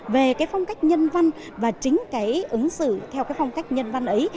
về cái phong cách nhân văn và chính cái ứng xử theo cái phong cách nhân văn ấy